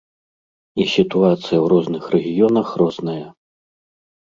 І сітуацыя ў розных рэгіёнах розная.